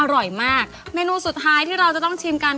อร่อยมากเมนูสุดท้ายที่เราจะต้องชิมกัน